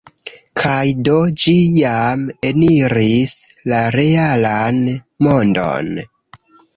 Kaj do, ĝi jam eniris la realan mondon.